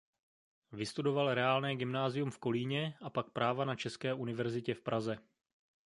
Vystudoval reálné gymnázium v Kolíně a pak práva na české univerzitě v Praze.